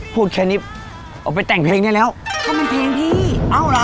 พูดแค่นี้ออกไปแต่งเพลงได้แล้วก็มันเพลงพี่เอ้าเหรอ